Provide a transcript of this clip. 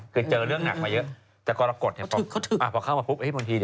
คือเจอเรื่องหนักมาเยอะแต่กรกฎเนี่ย